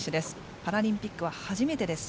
パラリンピックは初めてです。